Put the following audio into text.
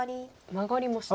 マガりました。